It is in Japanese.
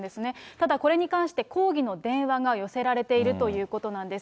ただこれに関して、抗議の電話が寄せられているということなんです。